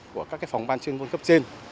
của các cái phòng ban chuyên quân cấp trên